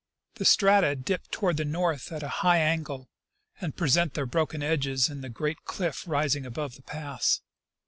The strata di]) toward the north at a high angle, and present their broken edges in the great cliff rising above the pass.